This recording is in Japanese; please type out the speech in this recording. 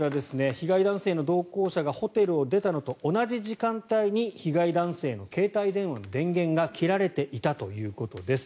被害男性の同行者がホテルを出たのと同じ時間帯に被害男性の携帯の電源が切られていたということです。